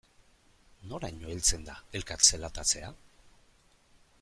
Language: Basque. Noraino heltzen da elkar zelatatzea?